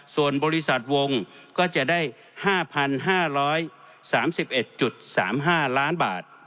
ส่วนบริษัทวงก็จะได้๕๕๓๑๓๕ล้านบาท